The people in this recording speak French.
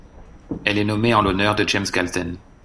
Elle est nommée en l'honneur de James Gadsden.